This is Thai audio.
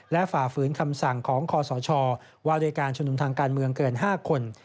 และฝ่าฝืนคำสั่งของคอสชว่าด้วยการชุมนุมทางการเมืองเกิน๕คน